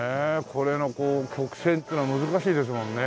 これの曲線っていうのは難しいですもんね。